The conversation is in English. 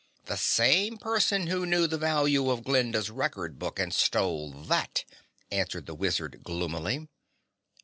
"The same person who knew the value of Glinda's record book and stole that," answered the Wizard gloomily.